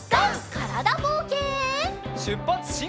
からだぼうけん。